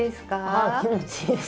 あ気持ちいいです。